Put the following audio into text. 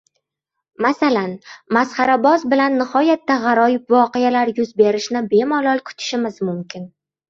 Masalan, masxaraboz bilan nihoyatda g‘aroyib voqealar yuz berishini bemalol kutishimiz mumkin.